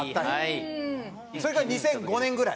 それが２００５年ぐらい。